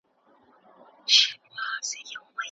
وزیر اکبر خان د افغانانو د بریا لپاره هڅې وکړې.